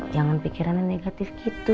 jangan pikirannya negatif gitu